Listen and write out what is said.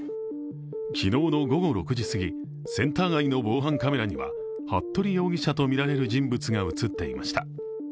昨日の午後６時すぎセンター街の防犯カメラには服部容疑者とみられる人物が映っていました。